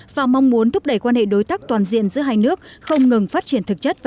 và mong muốn thúc đẩy quan hệ đối tác toàn diện giữa hai nước không ngừng phát triển thực chất và